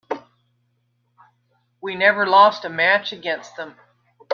We never lost a match against them.